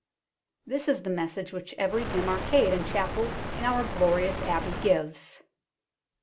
That is the message which every dim arcade and chapel in our glorious Abbey gives.